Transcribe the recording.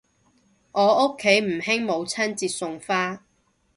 我屋企唔興母親節送花